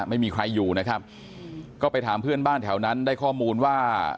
ไม่มีใครอยู่นะครับก็ไปถามเพื่อนบ้านแถวนั้นได้ข้อมูลว่า